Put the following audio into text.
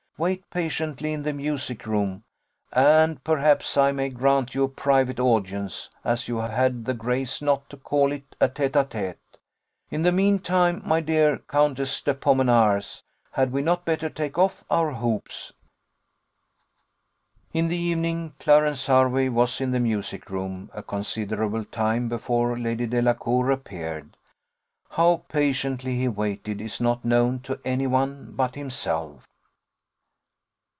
Wait patiently in the music room, and perhaps I may grant you a private audience, as you had the grace not to call it a tête à tête. In the mean time, my dear Countess de Pomenars, had we not better take off our hoops?" In the evening, Clarence Hervey was in the music room a considerable time before Lady Delacour appeared: how patiently he waited is not known to any one but himself.